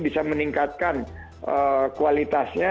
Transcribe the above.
bisa meningkatkan kualitasnya